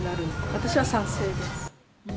私は賛成です。